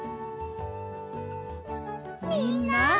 みんな！